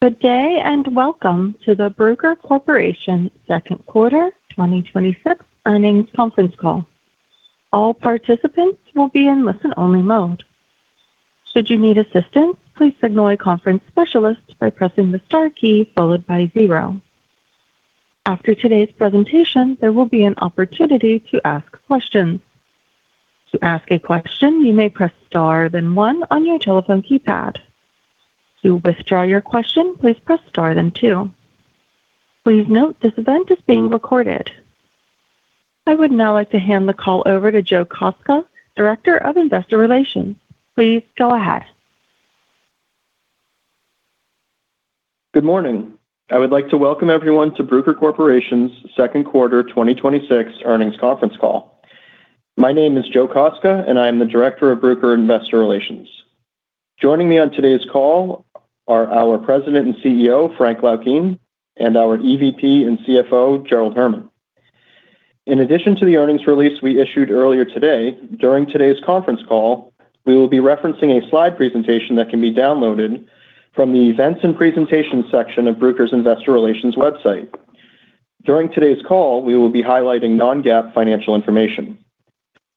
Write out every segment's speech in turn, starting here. Good day. Welcome to the Bruker Corporation second quarter 2026 earnings conference call. All participants will be in listen-only mode. Should you need assistance, please signal a conference specialist by pressing the star key followed by zero. After today's presentation, there will be an opportunity to ask questions. To ask a question, you may press star, then one on your telephone keypad. To withdraw your question, please press star, then two. Please note this event is being recorded. I would now like to hand the call over to Joe Kostka, Director of Investor Relations. Please go ahead. Good morning. I would like to welcome everyone to Bruker Corporation's second quarter 2026 earnings conference call. My name is Joe Kostka, and I am the director of Bruker investor relations. Joining me on today's call are our President and CEO, Frank Laukien, and our EVP and CFO, Gerald Herman. In addition to the earnings release we issued earlier today, during today's conference call, we will be referencing a slide presentation that can be downloaded from the Events and Presentation section of Bruker's Investor Relations website. During today's call, we will be highlighting non-GAAP financial information.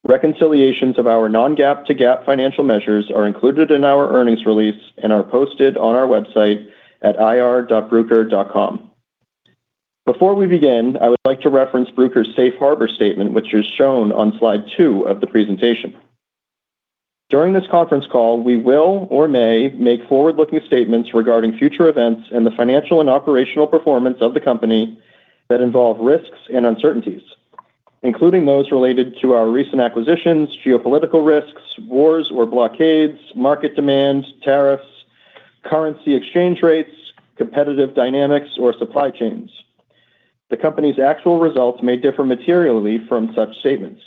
Reconciliations of our non-GAAP to GAAP financial measures are included in our earnings release and are posted on our website at ir.bruker.com. I would like to reference Bruker's safe harbor statement, which is shown on slide two of the presentation. During this conference call, we will or may make forward-looking statements regarding future events and the financial and operational performance of the company that involve risks and uncertainties, including those related to our recent acquisitions, geopolitical risks, wars or blockades, market demand, tariffs, currency exchange rates, competitive dynamics, or supply chains. The company's actual results may differ materially from such statements.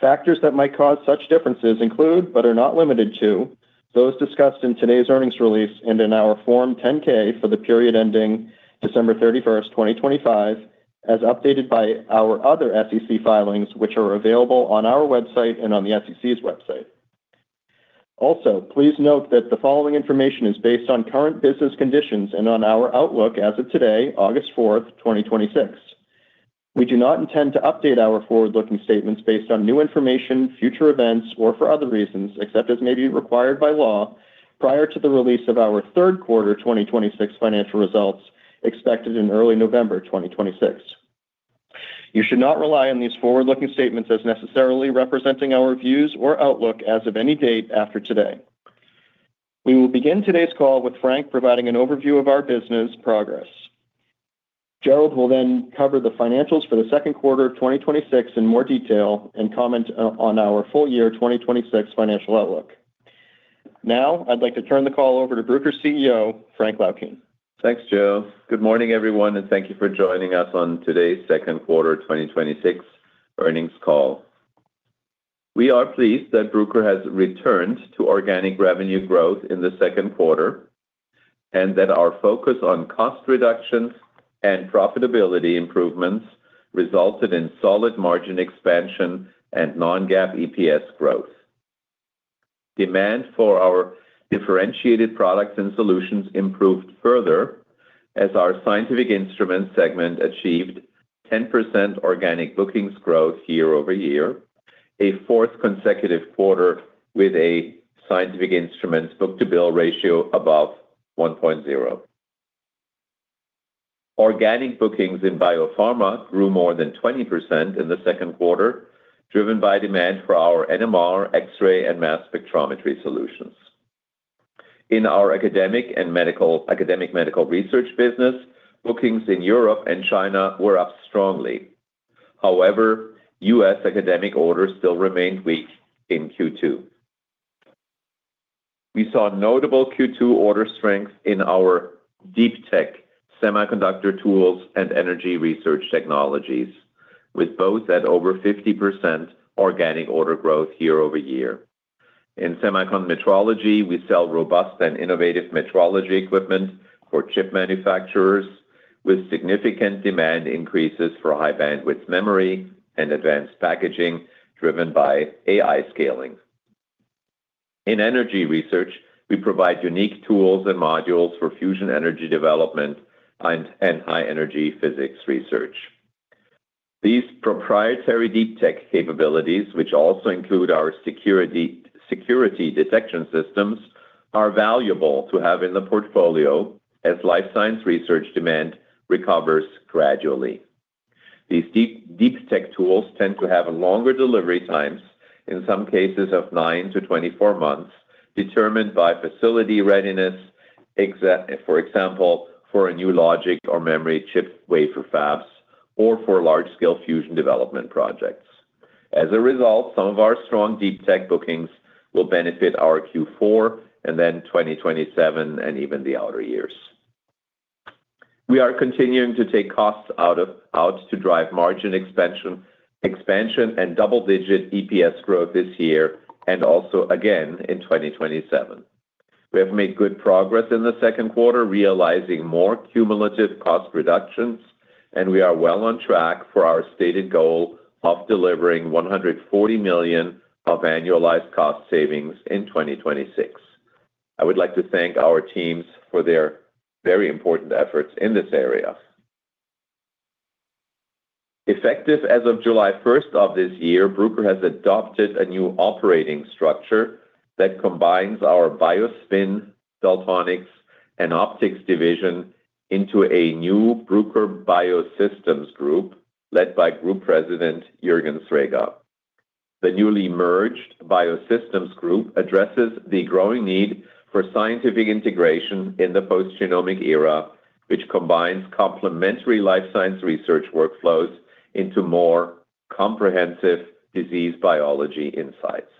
Factors that might cause such differences include, but are not limited to, those discussed in today's earnings release and in our Form 10-K for the period ending December 31st, 2025, as updated by our other SEC filings, which are available on our website and on the SEC's website. Please note that the following information is based on current business conditions and on our outlook as of today, August 4th, 2026. We do not intend to update our forward-looking statements based on new information, future events, or for other reasons, except as may be required by law, prior to the release of our third quarter 2026 financial results, expected in early November 2026. You should not rely on these forward-looking statements as necessarily representing our views or outlook as of any date after today. We will begin today's call with Frank providing an overview of our business progress. Gerald will then cover the financials for the second quarter of 2026 in more detail and comment on our full-year 2026 financial outlook. I'd like to turn the call over to Bruker CEO, Frank Laukien. Thanks, Joe. Good morning, everyone, and thank you for joining us on today's second quarter 2026 earnings call. We are pleased that Bruker has returned to organic revenue growth in the second quarter, and that our focus on cost reductions and profitability improvements resulted in solid margin expansion and non-GAAP EPS growth. Demand for our differentiated products and solutions improved further as our scientific instruments segment achieved 10% organic bookings growth year-over-year, a fourth consecutive quarter with a scientific instruments book-to-bill ratio above 1.0. Organic bookings in biopharma grew more than 20% in the second quarter, driven by demand for our NMR, X-ray, and mass spectrometry solutions. In our academic medical research business, bookings in Europe and China were up strongly. However, U.S. academic orders still remained weak in Q2. We saw notable Q2 order strength in our deep tech semiconductor tools and energy research technologies, with both at over 50% organic order growth year-over-year. In semiconductor metrology, we sell robust and innovative metrology equipment for chip manufacturers with significant demand increases for high-bandwidth memory and advanced packaging driven by AI scaling. In energy research, we provide unique tools and modules for fusion energy development and high-energy physics research. These proprietary deep tech capabilities, which also include our security detection systems, are valuable to have in the portfolio as life science research demand recovers gradually. These deep tech tools tend to have longer delivery times, in some cases of 9-24 months, determined by facility readiness, for example, for a new logic or memory chip wafer fabs or for large-scale fusion development projects. As a result, some of our strong deep tech bookings will benefit our Q4 and then 2027 and even the outer years. We are continuing to take costs out to drive margin expansion and double-digit EPS growth this year, and also again in 2027. We have made good progress in the second quarter, realizing more cumulative cost reductions. We are well on track for our stated goal of delivering $140 million of annualized cost savings in 2026. I would like to thank our teams for their very important efforts in this area. Effective as of July 1st of this year, Bruker has adopted a new operating structure that combines our BioSpin, Daltonics, and Optics divisions into a new Bruker Biosystems group led by Group President Jürgen Srega. The newly merged Biosystems group addresses the growing need for scientific integration in the post-genomic era, which combines complementary life science research workflows into more comprehensive disease biology insights.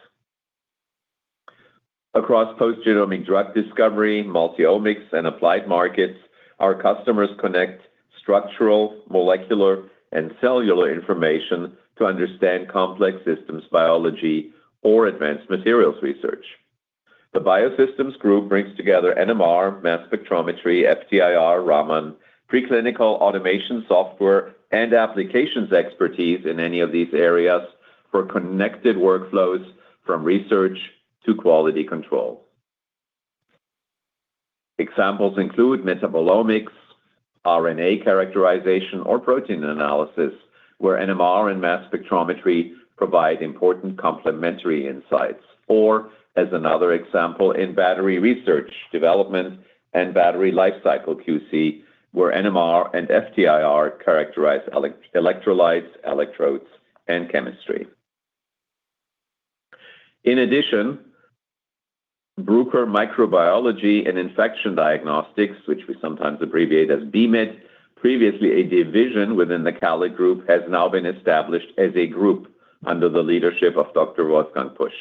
Across post-genomic drug discovery, multiomics, and applied markets, our customers connect structural, molecular, and cellular information to understand complex systems biology or advanced materials research. The Biosystems group brings together NMR, mass spectrometry, FTIR, Raman, preclinical automation software, and applications expertise in any of these areas for connected workflows from research to quality control. Examples include metabolomics, RNA characterization, or protein analysis, where NMR and mass spectrometry provide important complementary insights. As another example, in battery research development and battery life cycle QC, where NMR and FTIR characterize electrolytes, electrodes, and chemistry. In addition, Bruker Microbiology & Infection Diagnostics, which we sometimes abbreviate as BMID, previously a division within the CALID Group, has now been established as a group under the leadership of Dr. Wolfgang Pusch.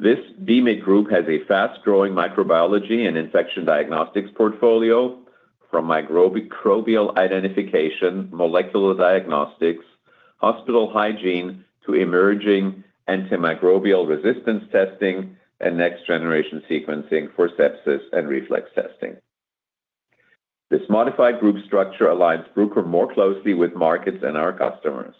This BMID group has a fast-growing microbiology and infection diagnostics portfolio from microbial identification, molecular diagnostics, hospital hygiene, to emerging antimicrobial resistance testing and next-generation sequencing for sepsis and reflex testing. This modified group structure aligns Bruker more closely with markets and our customers.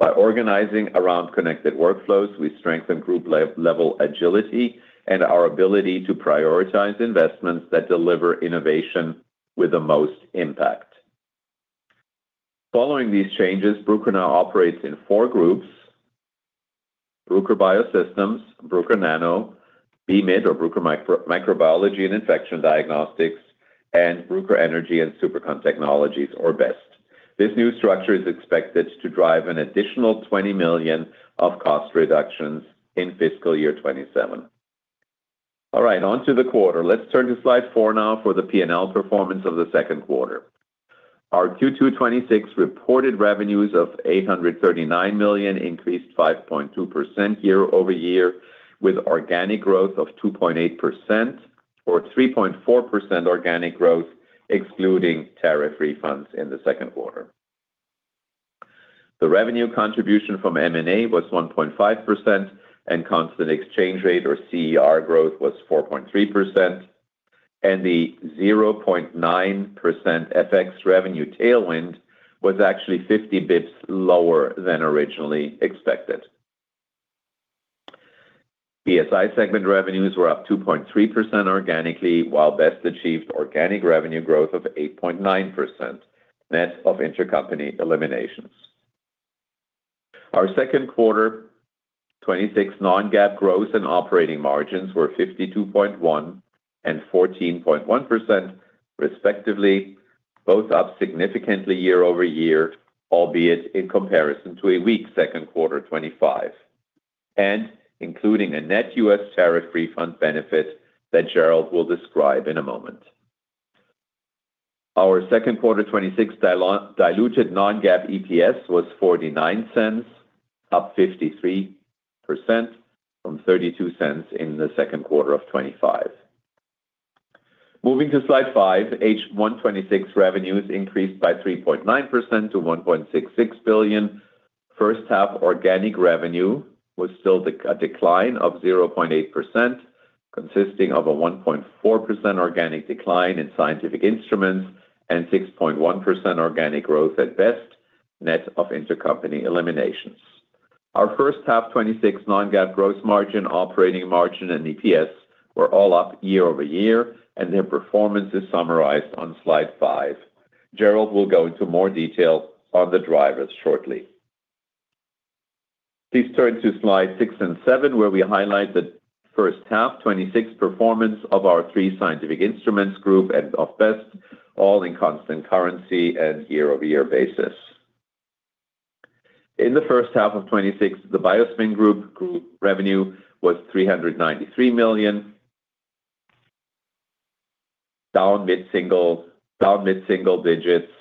By organizing around connected workflows, we strengthen group-level agility and our ability to prioritize investments that deliver innovation with the most impact. Following these changes, Bruker now operates in four groups: Bruker Biosystems, Bruker Nano, BMID or Bruker Microbiology & Infection Diagnostics, and Bruker Energy & Supercon Technologies or BEST. This new structure is expected to drive an additional $20 million of cost reductions in fiscal year 2027. All right, on to the quarter. Let's turn to slide four now for the P&L performance of the second quarter. Our Q2 2026 reported revenues of $839 million increased 5.2% year-over-year, with organic growth of 2.8% or 3.4% organic growth excluding tariff refunds in the second quarter. The revenue contribution from M&A was 1.5%, and constant exchange rate or CER growth was 4.3%. The 0.9% FX revenue tailwind was actually 50 basis points lower than originally expected. BSI segment revenues were up 2.3% organically, while BEST achieved organic revenue growth of 8.9% net of intercompany eliminations. Our second quarter 2026 non-GAAP gross and operating margins were 52.1% and 14.1% respectively, both up significantly year-over-year, albeit in comparison to a weak second quarter 2025, and including a net U.S. tariff refund benefit that Gerald will describe in a moment. Our second quarter 2026 diluted non-GAAP EPS was $0.49, up 53% from $0.32 in the second quarter of 2025. Moving to slide five, H1 2026 revenues increased by 3.9% to $1.66 billion. First half organic revenue was still a decline of 0.8%, consisting of a 1.4% organic decline in scientific instruments and 6.1% organic growth at BEST, net of intercompany eliminations. Our first half 2026 non-GAAP gross margin, operating margin, and EPS were all up year-over-year, and their performance is summarized on slide five. Gerald will go into more detail on the drivers shortly. Please turn to slides six and seven, where we highlight the first half 2026 performance of our three scientific instruments group and of BEST, all in constant currency and year-over-year basis. In the first half of 2026, the BioSpin group revenue was $393 million, down mid-single digits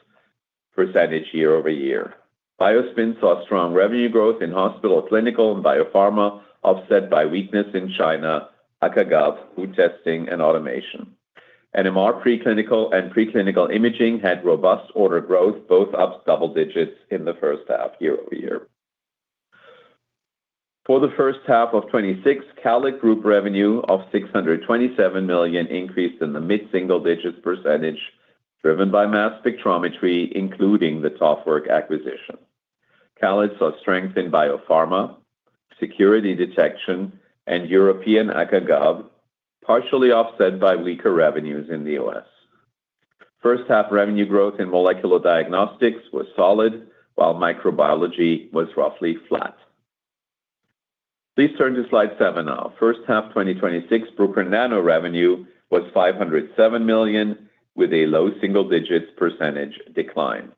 percentage year-over-year. BioSpin saw strong revenue growth in hospital, clinical, and biopharma, offset by weakness in China, Aca/Gov, food testing, and automation. NMR preclinical and preclinical imaging had robust order growth, both up double digits in the first half year-over-year. For the first half of 2026, CALID group revenue of $627 million increased in the mid-single digits percentage driven by mass spectrometry, including the TOFWERK acquisition. CALID saw strength in biopharma, security detection, and European Aca/Gov, partially offset by weaker revenues in the U.S. First-half revenue growth in molecular diagnostics was solid, while microbiology was roughly flat. Please turn to slide seven now. First half 2026 Bruker Nano revenue was $507 million, with a low single-digit percentage decline.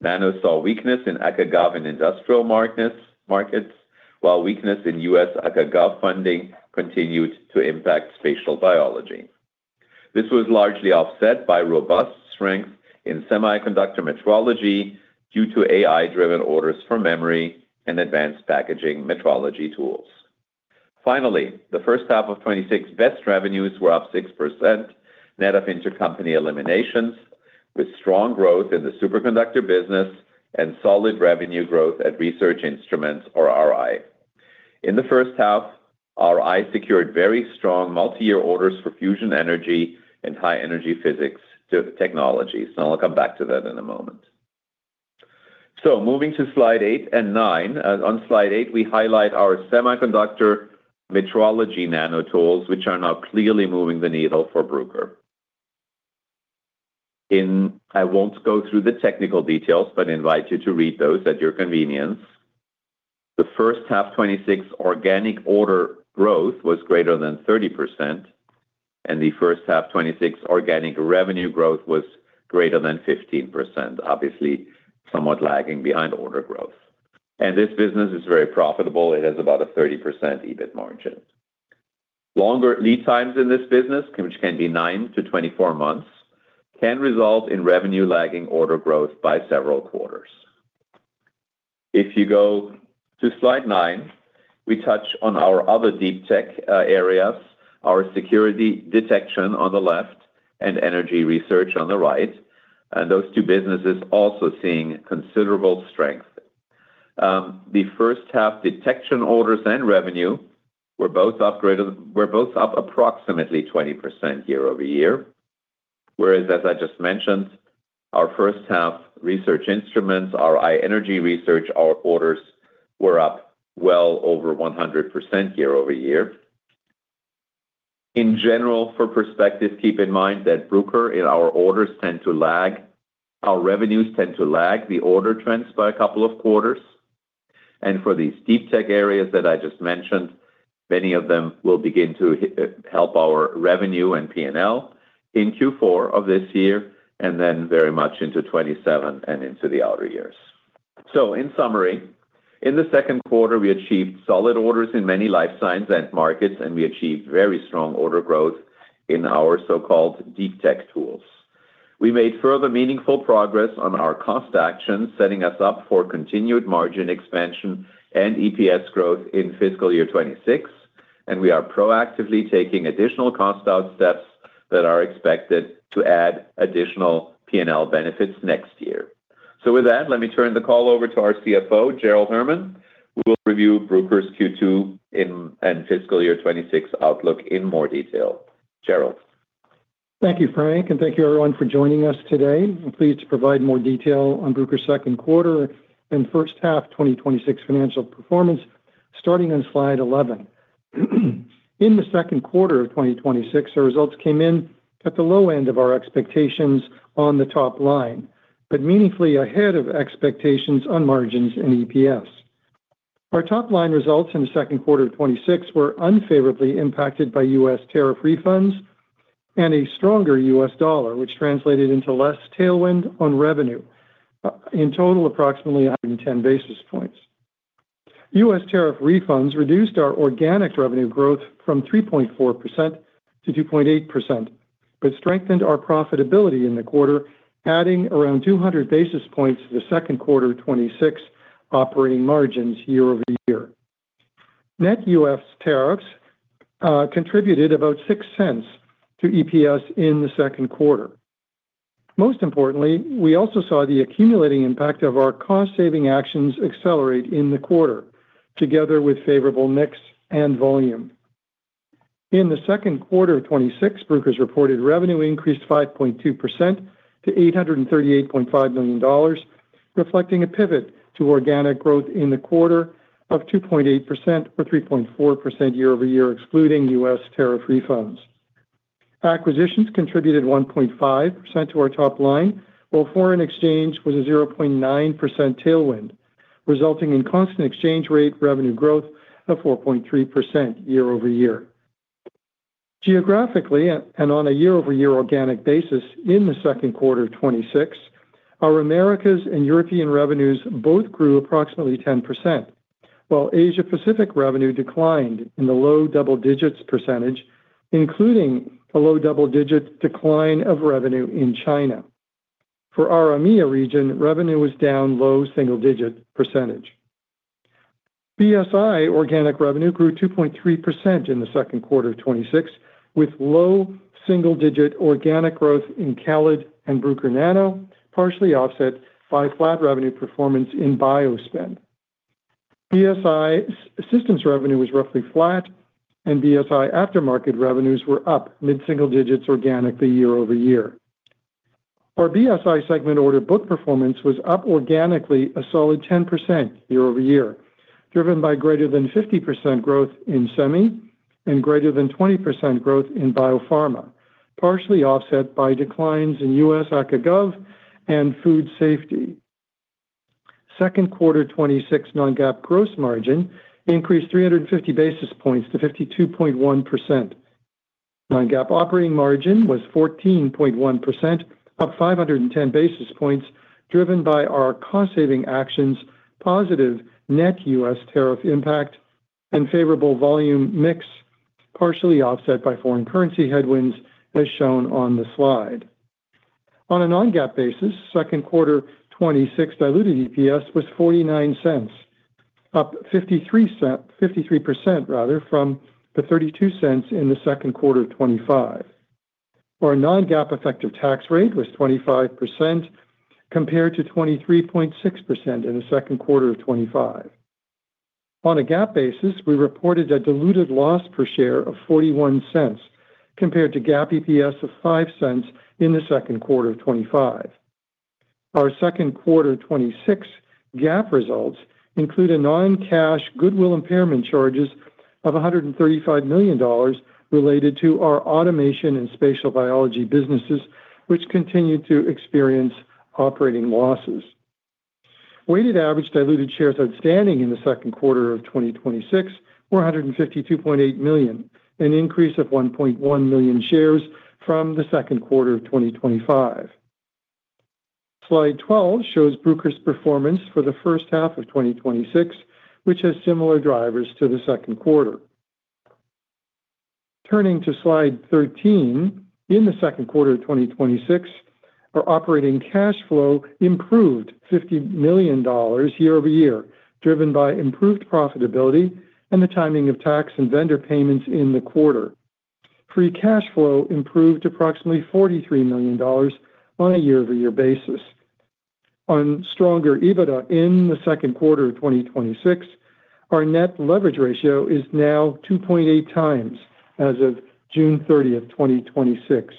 Nano saw weakness in Aca/Gov and industrial markets, while weakness in U.S. Aca/Gov funding continued to impact spatial biology. This was largely offset by robust strength in semiconductor metrology due to AI-driven orders for memory and advanced packaging metrology tools. Finally, the first half of 2026, BEST revenues were up 6%, net of intercompany eliminations, with strong growth in the superconductor business and solid revenue growth at Research Instruments, or RI. In the first half, RI secured very strong multi-year orders for fusion energy and high-energy physics technologies, and I'll come back to that in a moment. Moving to slide eight and nine. On slide eight, we highlight our semiconductor metrology nanotools, which are now clearly moving the needle for Bruker. I won't go through the technical details, but invite you to read those at your convenience. The first half of 2026, organic order growth was greater than 30%, and the first half 2026 organic revenue growth was greater than 15%, obviously somewhat lagging behind order growth. This business is very profitable. It has about a 30% EBIT margin. Longer lead times in this business, which can be 9-24 months, can result in revenue lagging order growth by several quarters. If you go to slide nine, we touch on our other deep tech areas, our security detection on the left and energy research on the right, those two businesses also seeing considerable strength. The first half detection orders and revenue were both up approximately 20% year-over-year. Whereas, as I just mentioned, our first half Research Instruments, RI energy research orders were up well over 100% year-over-year. In general, for perspective, keep in mind that Bruker and our orders tend to lag. Our revenues tend to lag the order trends by a couple of quarters. For these deep tech areas that I just mentioned, many of them will begin to help our revenue and P&L in Q4 of this year, then very much into 2027 and into the outer years. In summary, in the second quarter, we achieved solid orders in many life science end markets, we achieved very strong order growth in our so-called deep tech tools. We made further meaningful progress on our cost actions, setting us up for continued margin expansion and EPS growth in fiscal year 2026, we are proactively taking additional cost-out steps that are expected to add additional P&L benefits next year. With that, let me turn the call over to our CFO, Gerald Herman, who will review Bruker's Q2 and fiscal year 2026 outlook in more detail. Gerald. Thank you, Frank, and thank you everyone for joining us today. I'm pleased to provide more detail on Bruker's second quarter and first half 2026 financial performance starting on slide 11. In the second quarter of 2026, our results came in at the low end of our expectations on the top line, but meaningfully ahead of expectations on margins and EPS. Our top-line results in the second quarter of 2026 were unfavorably impacted by U.S. tariff refunds and a stronger U.S. dollar, which translated into less tailwind on revenue. In total, approximately 110 basis points. U.S. tariff refunds reduced our organic revenue growth from 3.4% to 2.8%, but strengthened our profitability in the quarter, adding around 200 basis points to the second quarter 2026 operating margins year-over-year. Net U.S. tariffs contributed about $0.06 to EPS in the second quarter. Most importantly, we also saw the accumulating impact of our cost-saving actions accelerate in the quarter, together with favorable mix and volume. In the second quarter of 2026, Bruker's reported revenue increased 5.2% to $838.5 million, reflecting a pivot to organic growth in the quarter of 2.8% or 3.4% year-over-year, excluding U.S. tariff refunds. Acquisitions contributed 1.5% to our top line, while foreign exchange was a 0.9% tailwind, resulting in constant exchange rate revenue growth of 4.3% year-over-year. Geographically, and on a year-over-year organic basis in the second quarter of 2026, our Americas and European revenues both grew approximately 10%, while Asia-Pacific revenue declined in the low double-digits percentage, including a low double-digit decline of revenue in China. For our EMEA region, revenue was down low single-digit percentage. BSI organic revenue grew 2.3% in the second quarter of 2026, with low single-digit organic growth in CALID and Bruker Nano, partially offset by flat revenue performance in BioSpin. BSI instrument revenue was roughly flat, and BSI aftermarket revenues were up mid-single digits organically year-over-year. Our BSI segment order book performance was up organically a solid 10% year-over-year, driven by greater than 50% growth in semi and greater than 20% growth in biopharma, partially offset by declines in U.S. Aca/Gov and food safety. Second quarter 2026 non-GAAP gross margin increased 350 basis points to 52.1%. Non-GAAP operating margin was 14.1%, up 510 basis points driven by our cost-saving actions, positive net U.S. tariff impact, and favorable volume mix, partially offset by foreign currency headwinds, as shown on the slide. On a non-GAAP basis, second quarter 2026 diluted EPS was $0.49, up 53% from the $0.32 in the second quarter of 2025. Our non-GAAP effective tax rate was 25%, compared to 23.6% in the second quarter of 2025. On a GAAP basis, we reported a diluted loss per share of $0.41, compared to GAAP EPS of $0.05 in the second quarter of 2025. Our second quarter 2026 GAAP results include a non-cash goodwill impairment charges of $135 million related to our automation and spatial biology businesses, which continue to experience operating losses. Weighted average diluted shares outstanding in the second quarter of 2026 were 152.8 million, an increase of 1.1 million shares from the second quarter of 2025. Slide 12 shows Bruker's performance for the first half of 2026, which has similar drivers to the second quarter. Turning to slide 13, in the second quarter of 2026, our operating cash flow improved $50 million year-over-year, driven by improved profitability and the timing of tax and vendor payments in the quarter. Free cash flow improved approximately $43 million on a year-over-year basis. On stronger EBITDA in the second quarter of 2026, our net leverage ratio is now 2.8x as of June 30, 2026.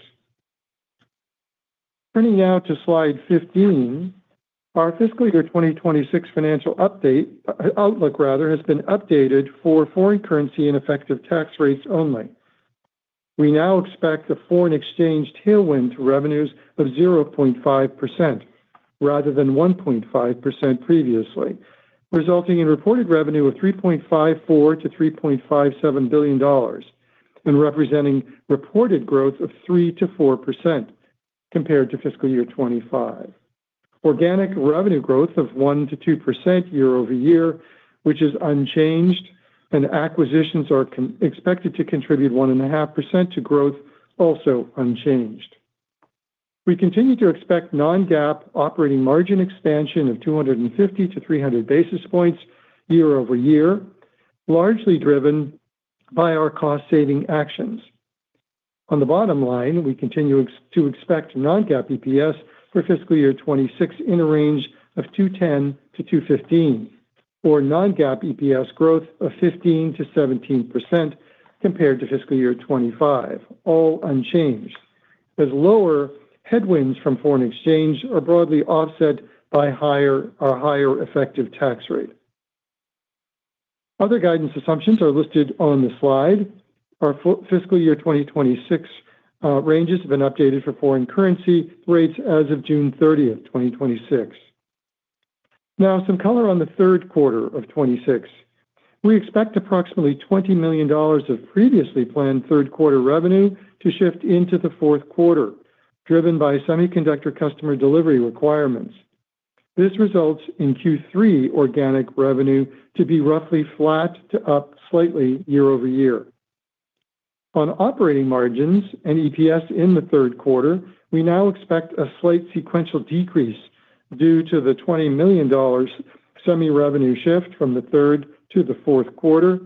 Turning now to slide 15, our fiscal year 2026 financial outlook has been updated for foreign currency and effective tax rates only. We now expect a foreign exchange tailwind to revenues of 0.5% rather than 1.5% previously, resulting in reported revenue of $3.54 billion-$3.57 billion, and representing reported growth of 3%-4% compared to FY 2025. Organic revenue growth of 1%-2% year-over-year, which is unchanged. Acquisitions are expected to contribute 1.5% to growth, also unchanged. We continue to expect non-GAAP operating margin expansion of 250-300 basis points year-over-year, largely driven by our cost-saving actions. On the bottom line, we continue to expect non-GAAP EPS for FY 2026 in a range of $2.10-$2.15, or non-GAAP EPS growth of 15%-17% compared to FY 2025, all unchanged, as lower headwinds from foreign exchange are broadly offset by our higher effective tax rate. Other guidance assumptions are listed on the slide. Our FY 2026 ranges have been updated for foreign currency rates as of June 30, 2026. Some color on the third quarter of 2026. We expect approximately $20 million of previously planned third quarter revenue to shift into the fourth quarter, driven by semiconductor customer delivery requirements. This results in Q3 organic revenue to be roughly flat to up slightly year-over-year. On operating margins and EPS in the third quarter, we now expect a slight sequential decrease due to the $20 million semi revenue shift from the third to the fourth quarter,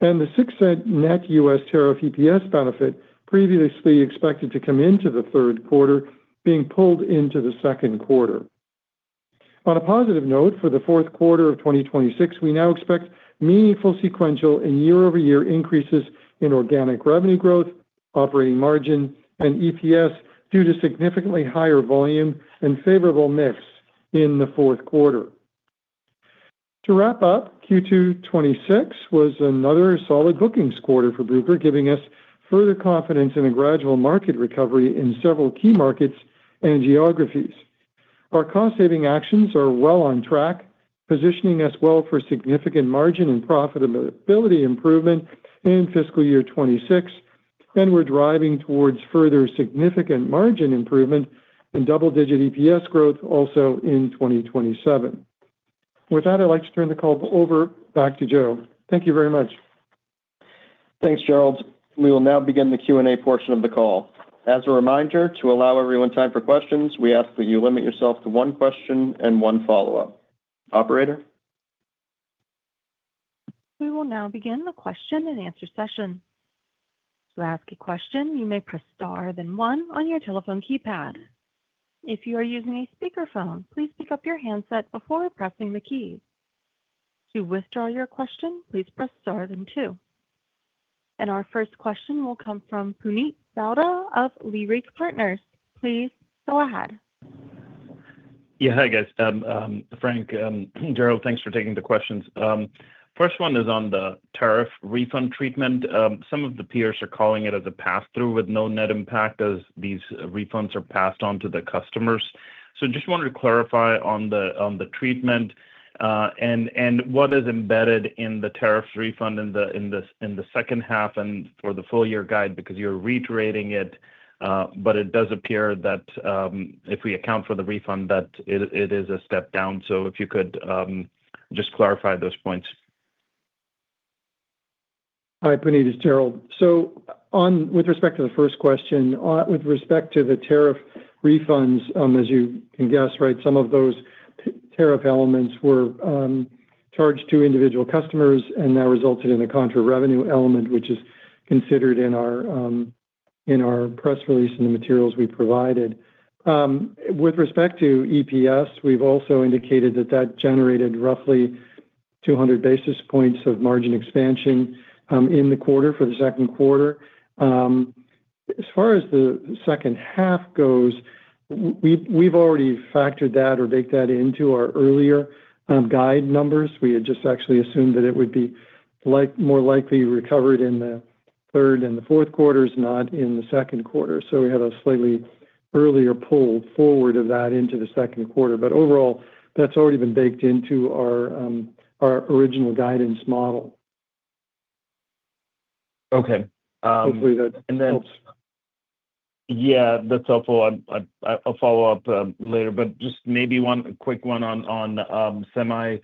and the $0.06 net U.S. tariff EPS benefit previously expected to come into the third quarter being pulled into the second quarter. On a positive note, for the fourth quarter of 2026, we now expect meaningful sequential and year-over-year increases in organic revenue growth, operating margin, and EPS due to significantly higher volume and favorable mix in the fourth quarter. To wrap up, Q2 2026 was another solid bookings quarter for Bruker, giving us further confidence in a gradual market recovery in several key markets and geographies. Our cost-saving actions are well on track, positioning us well for significant margin and profitability improvement in FY 2026, and we are driving towards further significant margin improvement and double-digit EPS growth also in 2027. With that, I would like to turn the call over back to Joe. Thank you very much. Thanks, Gerald. We will now begin the Q&A portion of the call. As a reminder, to allow everyone time for questions, we ask that you limit yourself to one question and one follow-up. Operator? We will now begin the question and answer session To ask a question, you may press star then one on your telephone keypad. If you are using a speakerphone, please pick up your handset before pressing the keys. To withdraw your question, please press star then two. Our first question will come from Puneet Souda of Leerink Partners. Please go ahead. Hi, guys. Frank, Gerald, thanks for taking the questions. First one is on the tariff refund treatment. Some of the peers are calling it as a passthrough with no net impact as these refunds are passed on to the customers. Just wanted to clarify on the treatment, and what is embedded in the tariff refund in the second half and for the full-year guide because you're reiterating it. It does appear that if we account for the refund, that it is a step down. If you could just clarify those points. Hi, Puneet, it's Gerald. With respect to the first question, with respect to the tariff refunds, as you can guess, right, some of those tariff elements were charged to individual customers and that resulted in a contra revenue element, which is considered in our press release and the materials we provided. With respect to EPS, we've also indicated that that generated roughly 200 basis points of margin expansion in the quarter for the second quarter. As far as the second half goes, we've already factored that or baked that into our earlier guide numbers. We had just actually assumed that it would be more likely recovered in the third and the fourth quarters, not in the second quarter. We had a slightly earlier pull forward of that into the second quarter. Overall, that's already been baked into our original guidance model. Okay. Hopefully that helps. Yeah. That's helpful. I'll follow up later, just maybe one quick one on semi.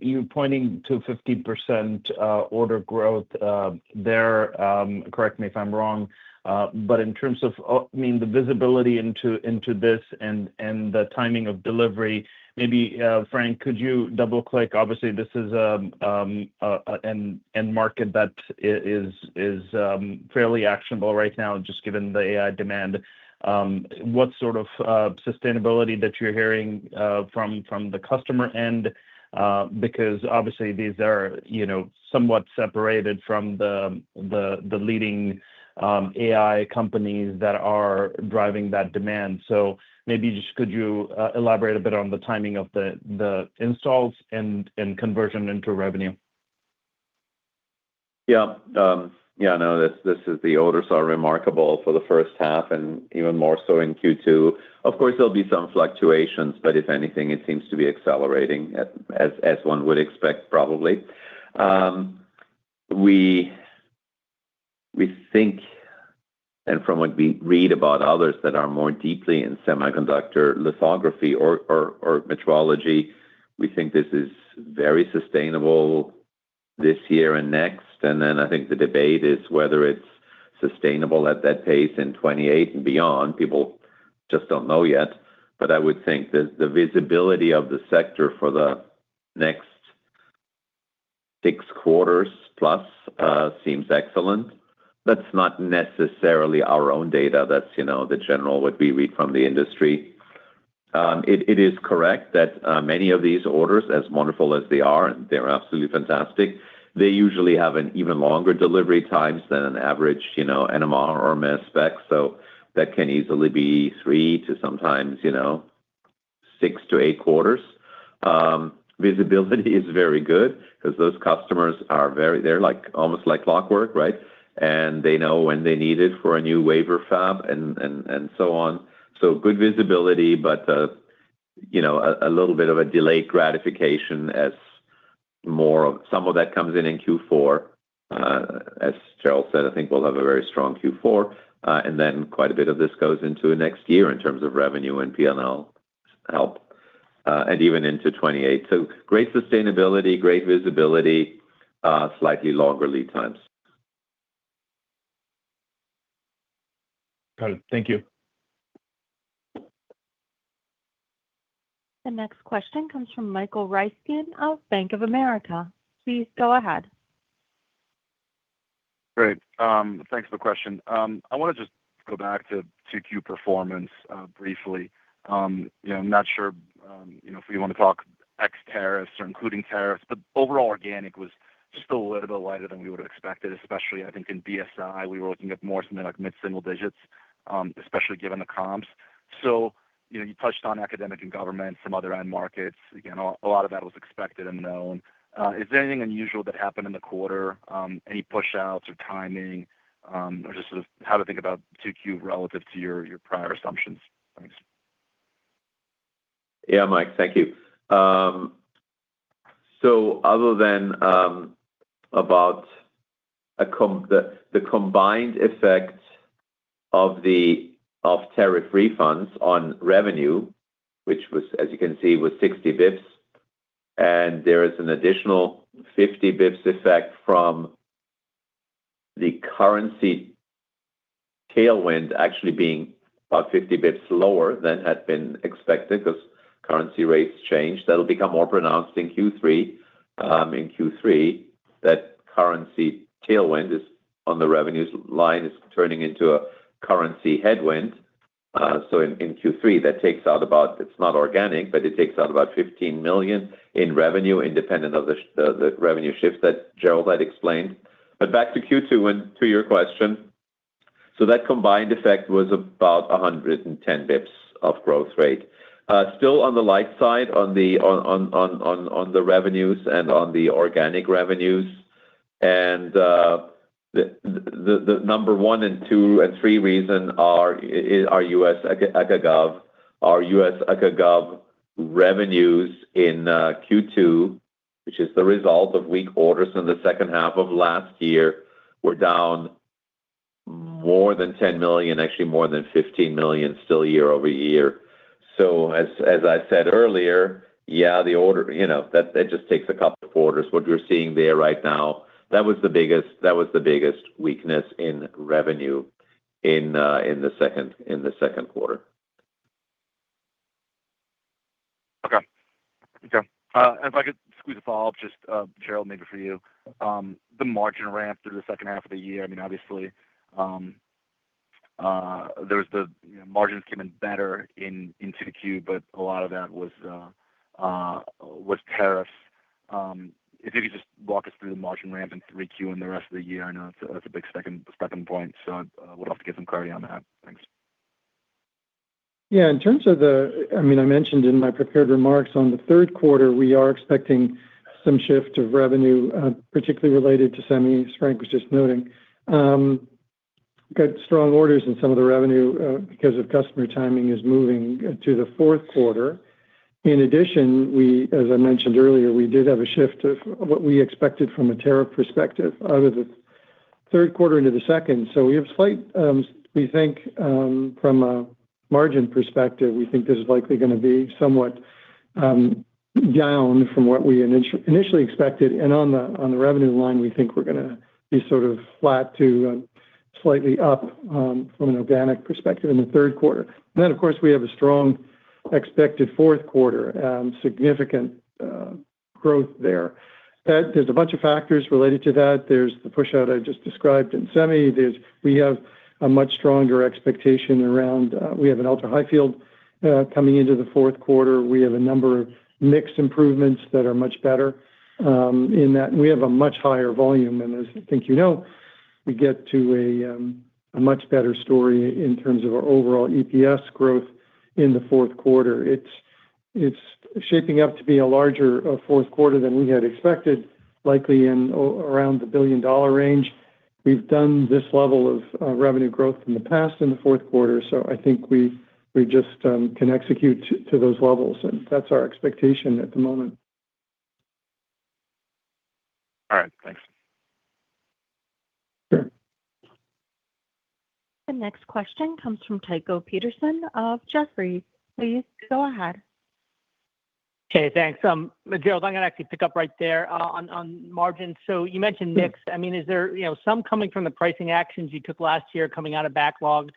You're pointing to 50% order growth there, correct me if I'm wrong. In terms of the visibility into this and the timing of delivery, maybe, Frank, could you double-click? Obviously, this is an end market that is fairly actionable right now, just given the AI demand. What sort of sustainability that you're hearing from the customer end? Obviously these are somewhat separated from the leading AI companies that are driving that demand. Maybe just could you elaborate a bit on the timing of the installs and conversion into revenue? Yeah. No, the orders are remarkable for the first half and even more so in Q2. Of course, there'll be some fluctuations, if anything, it seems to be accelerating as one would expect, probably. We think, from what we read about others that are more deeply in semiconductor lithography or metrology, we think this is very sustainable this year and next. I think the debate is whether it's sustainable at that pace in 2028 and beyond. People just don't know yet. I would think that the visibility of the sector for the next six quarters plus seems excellent. That's not necessarily our own data. That's the general what we read from the industry. It is correct that many of these orders, as wonderful as they are, they're absolutely fantastic, they usually have an even longer delivery times than an average NMR or mass spec. That can easily be three to sometimes six to eight quarters. Visibility is very good because those customers they're almost like clockwork, right? They know when they need it for a new wafer fab and so on. Good visibility, but a little bit of a delayed gratification as some of that comes in in Q4. As Gerald said, I think we'll have a very strong Q4, quite a bit of this goes into next year in terms of revenue and P&L help, and even into 2028. Great sustainability, great visibility, slightly longer lead times. Got it. Thank you. The next question comes from Michael Ryskin of Bank of America. Please go ahead. Great. Thanks for the question. I want to just go back to 2Q performance briefly. I'm not sure if you want to talk ex-tariffs or including tariffs, but overall organic was just a little bit lighter than we would've expected, especially I think in BSI, we were looking at more something like mid-single digits, especially given the comps. You touched on academic and government, some other end markets. Again, a lot of that was expected and known. Is there anything unusual that happened in the quarter, any push outs or timing, or just sort of how to think about 2Q relative to your prior assumptions? Thanks. Yeah, Mike, thank you. Other than about the combined effect of tariff refunds on revenue, which as you can see, was 60 basis points, and there is an additional 50 basis points effect from the currency Tailwind actually being about 50 basis points lower than had been expected because currency rates changed. That'll become more pronounced in Q3. In Q3, that currency tailwind on the revenues line is turning into a currency headwind. In Q3, it's not organic, but it takes out about $15 million in revenue independent of the revenue shifts that Gerald had explained. Back to Q2, and to your question. That combined effect was about 110 basis points of growth rate. Still on the light side on the revenues and on the organic revenues, and the number one and two and three reason are U.S. Aca/Gov. Our U.S. Aca/Gov revenues in Q2, which is the result of weak orders in the second half of last year, were down more than $10 million, actually more than $15 million still year-over-year. As I said earlier, that just takes a couple of quarters, what we're seeing there right now. That was the biggest weakness in revenue in the second quarter. Okay. If I could squeeze a follow-up, just Gerald, maybe for you. The margin ramp through the second half of the year. Obviously, the margins came in better in 2Q, but a lot of that was tariffs. If you could just walk us through the margin ramp in 3Q and the rest of the year. I know that's a big sticking point, would love to get some clarity on that. Thanks. Yeah. I mentioned in my prepared remarks on the third quarter, we are expecting some shift of revenue, particularly related to semi, as Frank was just noting. Got strong orders in some of the revenue because of customer timing is moving to the fourth quarter. In addition, as I mentioned earlier, we did have a shift of what we expected from a tariff perspective out of the third quarter into the second. We think from a margin perspective, we think this is likely going to be somewhat down from what we initially expected, and on the revenue line, we think we're going to be sort of flat to slightly up from an organic perspective in the third quarter. Of course, we have a strong expected fourth quarter. Significant growth there. There's a bunch of factors related to that. There's the push-out I just described in semi. We have a much stronger expectation around, we have an ultra-high field coming into the fourth quarter. We have a number of mixed improvements that are much better in that we have a much higher volume. As I think you know, we get to a much better story in terms of our overall EPS growth in the fourth quarter. It's shaping up to be a larger fourth quarter than we had expected, likely in around the billion-dollar range. We've done this level of revenue growth in the past in the fourth quarter, I think we just can execute to those levels, and that's our expectation at the moment. All right. Thanks. Sure. The next question comes from Tycho Peterson of Jefferies. Please go ahead. Okay, thanks. Gerald, I'm going to actually pick up right there on margins. You mentioned mix. Is there some coming from the pricing actions you took last year coming out of backlog?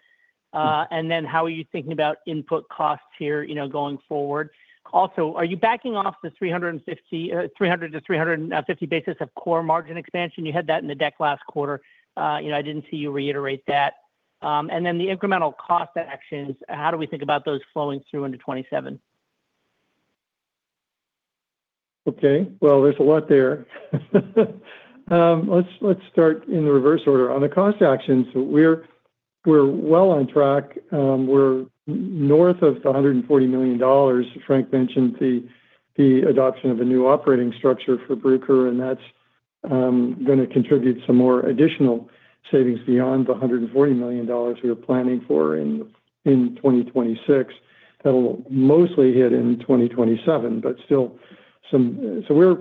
How are you thinking about input costs here going forward? Also, are you backing off the 300 to 350 basis of core margin expansion? You had that in the deck last quarter. I didn't see you reiterate that. The incremental cost actions, how do we think about those flowing through into 2027? Okay. Well, there's a lot there. Let's start in the reverse order. On the cost actions, we're well on track. We're north of $140 million. Frank mentioned the adoption of a new operating structure for Bruker, and that's going to contribute some more additional savings beyond the $140 million we were planning for in 2026. That'll mostly hit in 2027. We're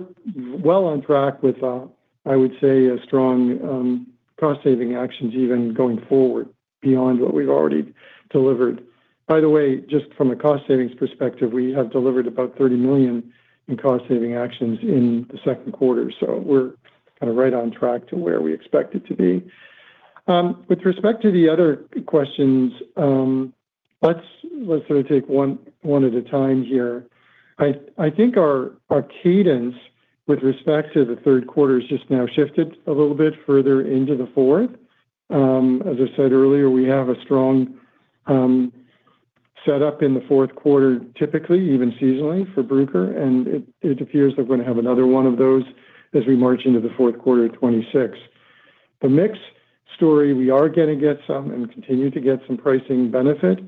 well on track with, I would say, strong cost saving actions even going forward beyond what we've already delivered. By the way, just from a cost savings perspective, we have delivered about $30 million in cost saving actions in the second quarter. We're right on track to where we expect it to be. With respect to the other questions, let's take one at a time here. I think our cadence with respect to the third quarter has just now shifted a little bit further into the fourth. As I said earlier, we have a strong setup in the fourth quarter, typically, even seasonally for Bruker, and it appears we're going to have another one of those as we march into the fourth quarter of 2026. The mix story, we are going to get some and continue to get some pricing benefit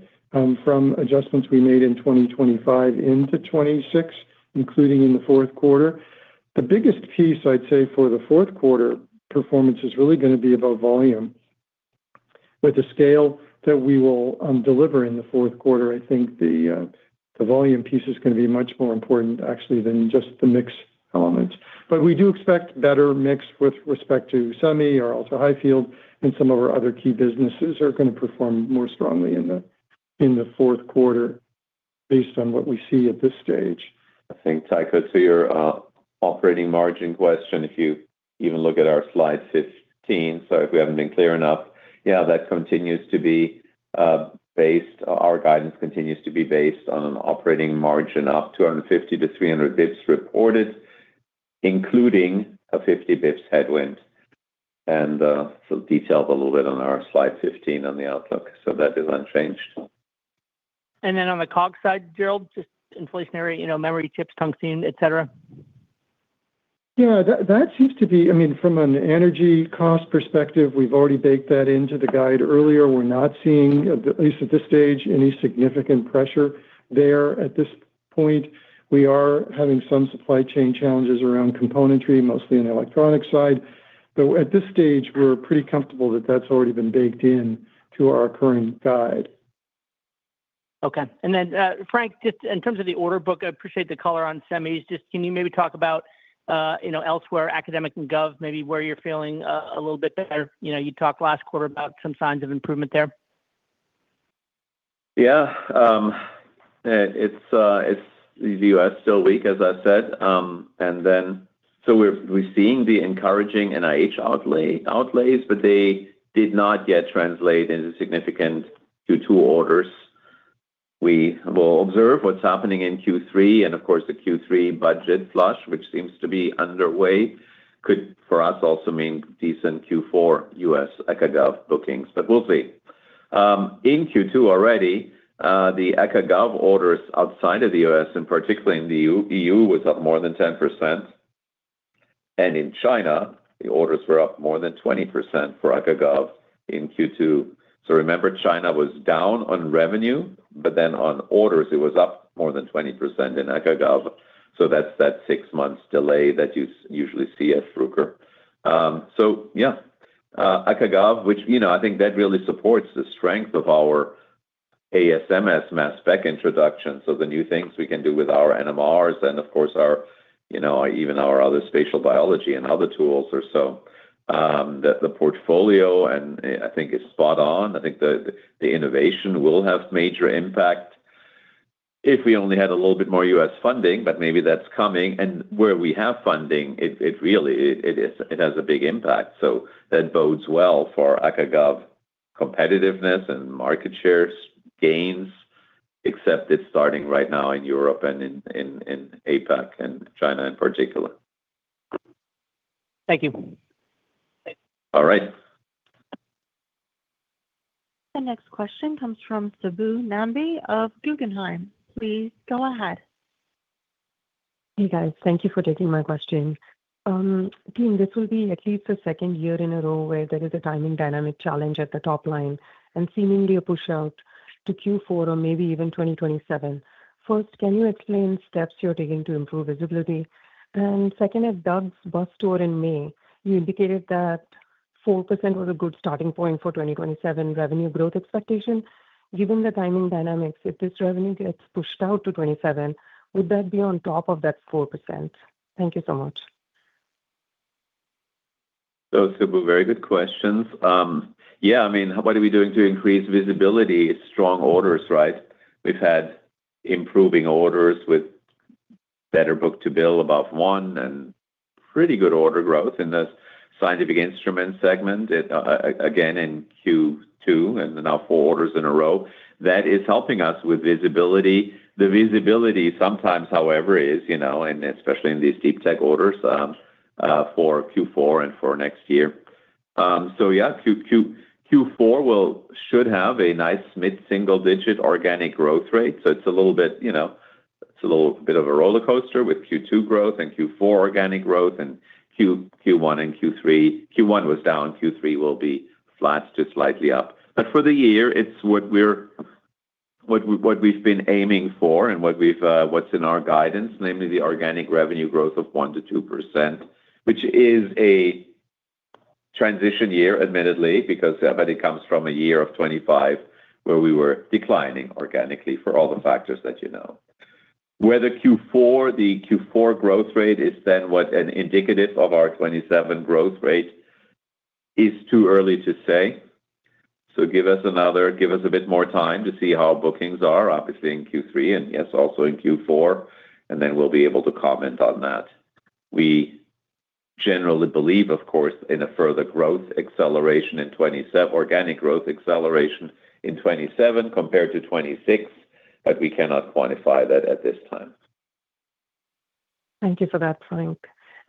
from adjustments we made in 2025 into 2026, including in the fourth quarter. The biggest piece, I'd say, for the fourth quarter performance is really going to be about volume. With the scale that we will deliver in the fourth quarter, I think the volume piece is going to be much more important actually than just the mix element. We do expect better mix with respect to semi. Our ultra-high field and some of our other key businesses are going to perform more strongly in the fourth quarter. Based on what we see at this stage I think, Tycho, to your operating margin question, if you even look at our slide 15, if we haven't been clear enough, our guidance continues to be based on an operating margin up 250 to 300 basis points reported, including a 50 basis points headwind, and detailed a little bit on our slide 15 on the outlook. That is unchanged. On the cog side, Gerald, just inflationary, memory chips, tungsten, et cetera. From an energy cost perspective, we've already baked that into the guide earlier. We're not seeing, at least at this stage, any significant pressure there. At this point, we are having some supply chain challenges around componentry, mostly in the electronic side. Though at this stage, we're pretty comfortable that that's already been baked into our current guide. Frank, just in terms of the order book, I appreciate the color on semis. Just can you maybe talk about elsewhere, academic and gov, maybe where you're feeling a little bit better? You talked last quarter about some signs of improvement there. The U.S. is still weak, as I said. We're seeing the encouraging NIH outlays, but they did not yet translate into significant Q2 orders. We will observe what's happening in Q3, of course the Q3 budget flush, which seems to be underway, could, for us, also mean decent Q4 U.S. ACA Gov bookings. We'll see. In Q2 already, the ACA Gov orders outside of the U.S., and particularly in the EU, was up more than 10%. In China, the orders were up more than 20% for ACA Gov in Q2. Remember, China was down on revenue, but then on orders it was up more than 20% in ACA Gov. That's that six months delay that you usually see at Bruker. ACA Gov, which I think that really supports the strength of our ASMS mass spec introduction. The new things we can do with our NMRs and of course even our other spatial biology and other tools or so. The portfolio I think is spot on. I think the innovation will have major impact. If we only had a little bit more U.S. funding, but maybe that's coming, and where we have funding, it has a big impact. That bodes well for ACA Gov competitiveness and market share gains, except it's starting right now in Europe and in APAC and China in particular. Thank you. All right. The next question comes from Subbu Nambi of Guggenheim. Please go ahead. Hey, guys. Thank you for taking my question. Again, this will be at least the second year in a row where there is a timing dynamic challenge at the top line, and seemingly a push out to Q4 or maybe even 2027. First, can you explain steps you're taking to improve visibility? Second, at Doug's bus tour in May, you indicated that 4% was a good starting point for 2027 revenue growth expectation. Given the timing dynamics, if this revenue gets pushed out to 2027, would that be on top of that 4%? Thank you so much. Subbu, very good questions. Yeah, what are we doing to increase visibility? Strong orders, right? We've had improving orders with better book-to-bill above one, and pretty good order growth in the scientific instruments segment, again in Q2, and now four quarters in a row. That is helping us with visibility. The visibility sometimes, however, is, and especially in these deep tech orders, for Q4 and for next year. Yeah, Q4 should have a nice mid-single digit organic growth rate. It's a little bit of a roller coaster with Q2 growth and Q4 organic growth and Q1 and Q3. Q1 was down, Q3 will be flat to slightly up. For the year, it's what we've been aiming for and what's in our guidance, namely the organic revenue growth of 1%-2%, which is a transition year, admittedly, because everybody comes from a year of 2025, where we were declining organically for all the factors that you know. Whether the Q4 growth rate is then what an indicative of our 2027 growth rate is too early to say. Give us a bit more time to see how bookings are, obviously in Q3, and yes, also in Q4, and then we'll be able to comment on that. We generally believe, of course, in a further organic growth acceleration in 2027 compared to 2026, but we cannot quantify that at this time. Thank you for that, Frank.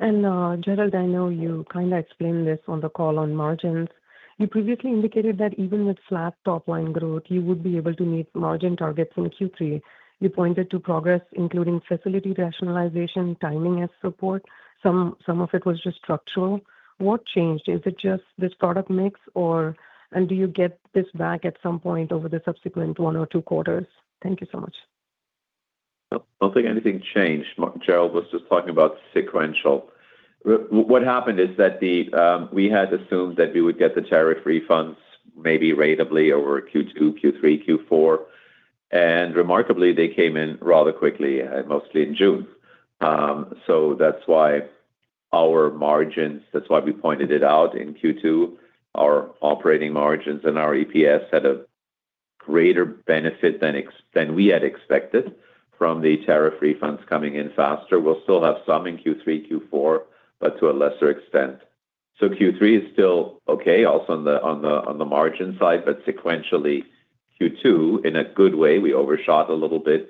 Gerald, I know you kind of explained this on the call on margins. You previously indicated that even with flat top line growth, you would be able to meet margin targets in Q3. You pointed to progress, including facility rationalization, timing as support. Some of it was just structural. What changed? Is it just this product mix, and do you get this back at some point over the subsequent one or two quarters? Thank you so much. I don't think anything changed. Gerald was just talking about sequential. What happened is that we had assumed that we would get the tariff refunds maybe ratably over Q2, Q3, Q4, and remarkably, they came in rather quickly, mostly in June. That's why our margins, that's why we pointed it out in Q2, our operating margins and our EPS had a greater benefit than we had expected from the tariff refunds coming in faster. We'll still have some in Q3, Q4, but to a lesser extent. Q3 is still okay also on the margin side, but sequentially Q2, in a good way, we overshot a little bit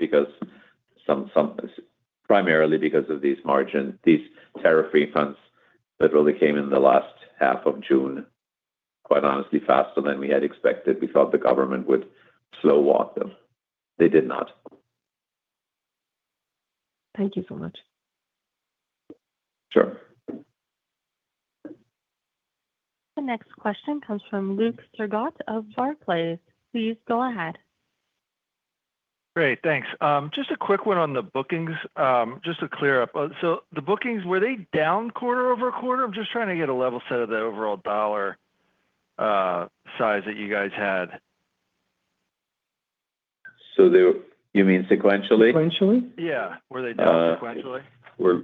primarily because of these tariff refunds that really came in the last half of June, quite honestly, faster than we had expected. We thought the government would slow walk them. They did not. Thank you so much. Sure. The next question comes from Luke Sergott of Barclays. Please go ahead. Great, thanks. Just a quick one on the bookings, just to clear up. The bookings, were they down quarter-over-quarter? I'm just trying to get a level set of the overall dollar size that you guys had. You mean sequentially? Sequentially? Yeah. Were they down sequentially? Were-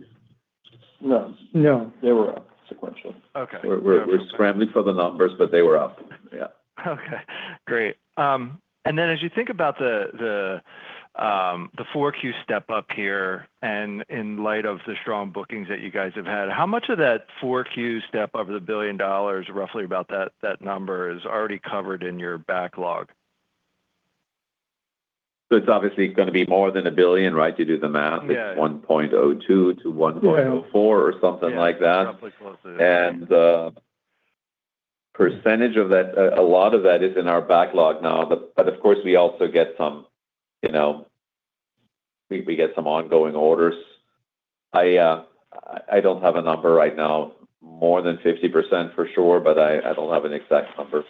No. No. They were up sequentially. Okay. We're scrambling for the numbers, but they were up. Yeah. Okay, great. Then as you think about the 4Q step-up here, in light of the strong bookings that you guys have had, how much of that 4Q step up of the $1 billion, roughly about that number, is already covered in your backlog? It's obviously going to be more than $1 billion, right? You do the math. Yeah It's $1.02-$1.04 or something like that. Yeah, roughly close to that. A lot of that is in our backlog now. Of course, we get some ongoing orders. I don't have a number right now, more than 50% for sure, but I don't have an exact number.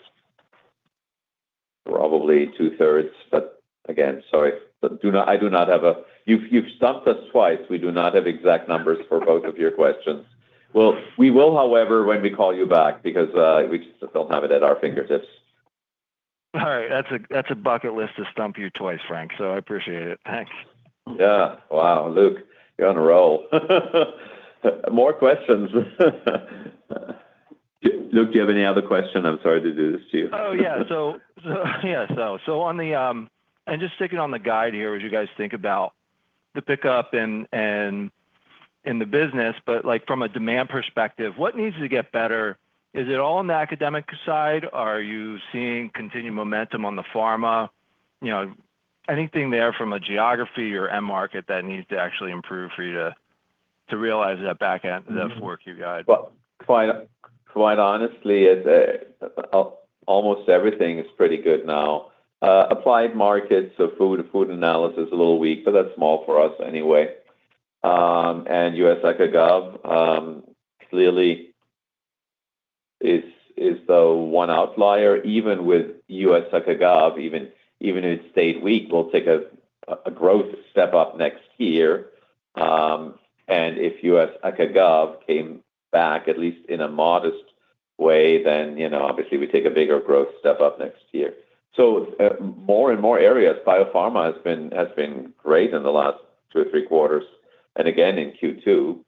Probably two-thirds, but again, sorry, I do not have. You've stumped us twice. We do not have exact numbers for both of your questions. Well, we will, however, when we call you back, because we just don't have it at our fingertips. All right. That's a bucket list to stump you twice, Frank, so I appreciate it. Thanks. Yeah. Wow, Luke, you're on a roll. More questions. Luke, do you have any other question? I'm sorry to do this to you. Oh, yeah. Just sticking on the guide here, as you guys think about the pickup in the business, but from a demand perspective, what needs to get better? Is it all on the academic side? Are you seeing continued momentum on the pharma? Anything there from a geography or end market that needs to actually improve for you to realize that back end, the 4Q guide? Well, quite honestly, almost everything is pretty good now. Applied markets, so food analysis, a little weak, but that's small for us anyway. U.S. Aca/Gov clearly is the one outlier. Even with U.S. Aca/Gov, even if it stayed weak, we'll take a growth step-up next year. If U.S. Aca/Gov came back, at least in a modest way, then obviously we take a bigger growth step-up next year. More and more areas, pharma has been great in the last two or three quarters, and again in Q2.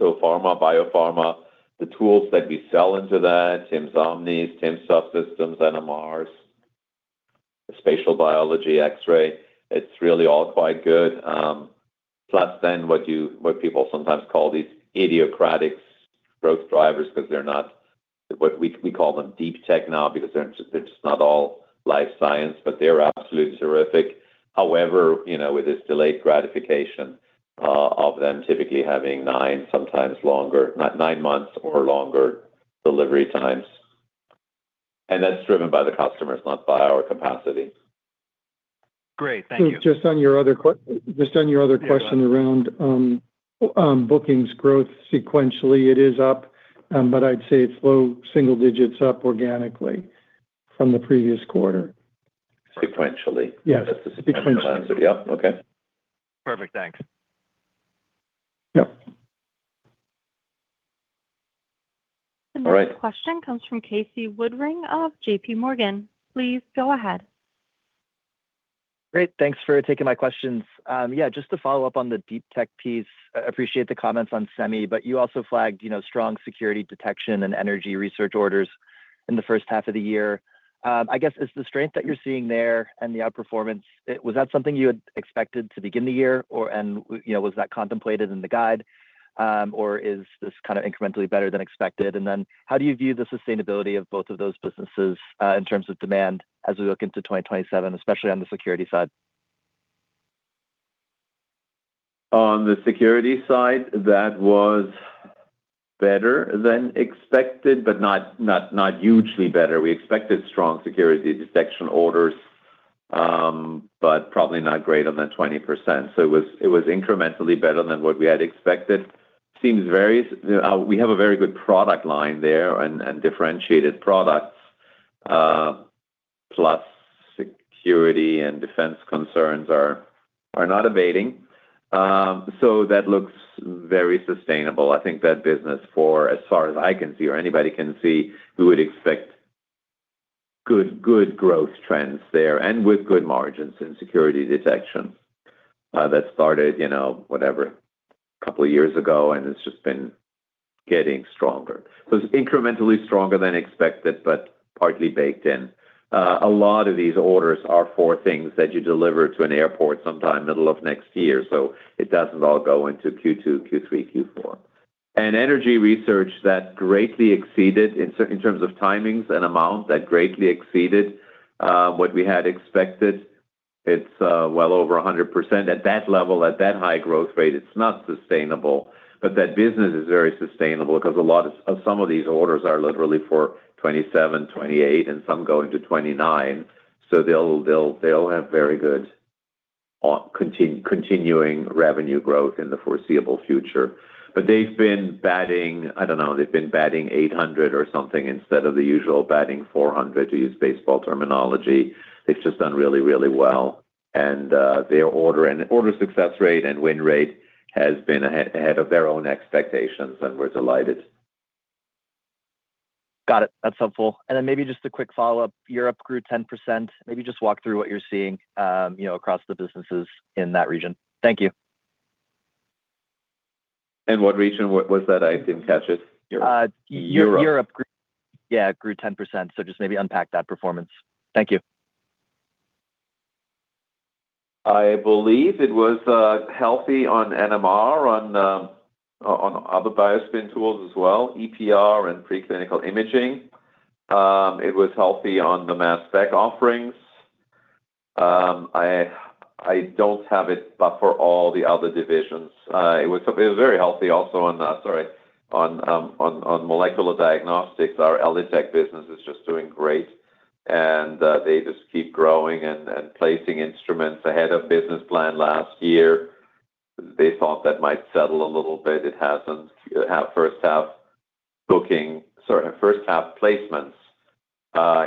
Pharma, biopharma, the tools that we sell into that, TIMS systems, NMRs, the spatial biology, X-ray, it's really all quite good. Plus then what people sometimes call these idiosyncratic growth drivers because they're not. We call them deep tech now because they're just not all life science, but they're absolutely terrific. However, with this delayed gratification of them typically having nine months or longer delivery times, and that's driven by the customers, not by our capacity. Great. Thank you. Just on your other question around bookings growth sequentially, it is up, but I'd say it's low single digits up organically from the previous quarter. Sequentially? Yes. That's the sequential answer. Yep. Okay. Perfect. Thanks. Yep. All right. The next question comes from Casey Woodring of JPMorgan. Please go ahead. Great. Thanks for taking my questions. Just to follow up on the deep tech piece, I appreciate the comments on semi, but you also flagged strong security detection and energy research orders in the first half of the year. I guess, is the strength that you're seeing there and the outperformance, was that something you had expected to begin the year or was that contemplated in the guide? Or is this kind of incrementally better than expected? And then how do you view the sustainability of both of those businesses in terms of demand as we look into 2027, especially on the security side? On the security side, that was better than expected, but not hugely better. We expected strong security detection orders, but probably not greater than 20%. It was incrementally better than what we had expected. We have a very good product line there and differentiated products, plus security and defense concerns are not abating. That looks very sustainable. I think that business for as far as I can see or anybody can see, we would expect good growth trends there and with good margins in security detection that started a couple of years ago, and it's just been getting stronger. It's incrementally stronger than expected, but partly baked in. A lot of these orders are for things that you deliver to an airport sometime middle of next year. It doesn't all go into Q2, Q3, Q4. Energy research that greatly exceeded, in terms of timings and amount, that greatly exceeded what we had expected. It's well over 100%. At that level, at that high growth rate, it's not sustainable. That business is very sustainable because some of these orders are literally for 2027, 2028, and some go into 2029. They'll have very good continuing revenue growth in the foreseeable future. They've been batting 800 or something instead of the usual batting 400, to use baseball terminology. They've just done really well, and their order success rate and win rate has been ahead of their own expectations, and we're delighted. Got it. That's helpful. Then maybe just a quick follow-up. Europe grew 10%. Maybe just walk through what you're seeing across the businesses in that region. Thank you. In what region was that? I didn't catch it. Europe. Europe. Yeah. Grew 10%. Just maybe unpack that performance. Thank you. I believe it was healthy on NMR, on other BioSpin tools as well, EPR and preclinical imaging. It was healthy on the mass spec offerings. I don't have it, but for all the other divisions. It was very healthy also on molecular diagnostics, our ELITechGroup business is just doing great, and they just keep growing and placing instruments ahead of business plan last year. They thought that might settle a little bit. It hasn't. First half placements